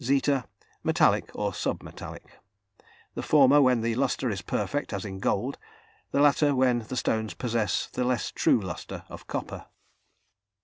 ([zeta]) Metallic or Sub metallic. The former when the lustre is perfect as in gold; the latter when the stones possess the less true lustre of copper.